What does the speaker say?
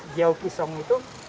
jauh kisong itu